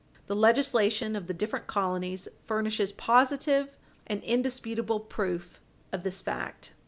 The legislation of the different colonies furnishes positive and indisputable proof of this fact.